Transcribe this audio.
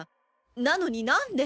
なのに何で？